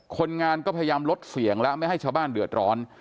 คนงานก็พยายามลดเสียงแล้วไม่ให้ชาวบ้านเดือดร้อน